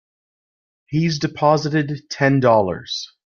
He's deposited Ten Dollars.